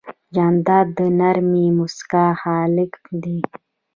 جانداد د نرمې موسکا خالق دی.